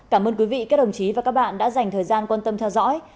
cảm ơn quý vị các đồng chí và các bạn đã dành thời gian quan tâm theo dõi